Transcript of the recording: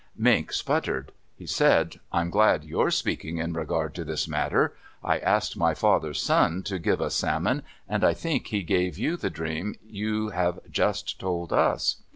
Mink sputtered. He said, "I'm glad you're speaking in regard to this matter. I asked my father, Sun, to give us salmon and I think he gave you the dream you have just told us."